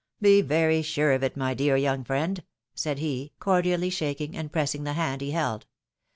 "Be very sure of it, my dear young friend!" said he, cordially shaking and pressing the hand he held.